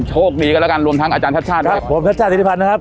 โชคดีกันแล้วกันรวมทั้งอาจารย์ทัศน์ด้วยครับผมทัศน์ศิริพันธ์นะครับ